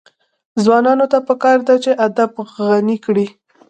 ځوانانو ته پکار ده چې، ادب غني کړي.